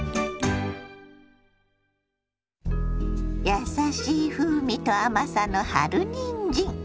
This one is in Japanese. やさしい風味と甘さの春にんじん。